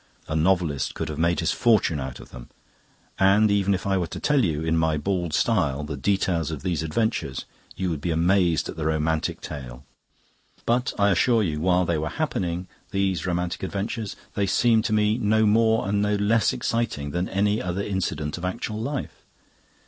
A novelist could have made his fortune out of them, and even if I were to tell you, in my bald style, the details of these adventures, you would be amazed at the romantic tale. But I assure you, while they were happening these romantic adventures they seemed to me no more and no less exciting than any other incident of actual life.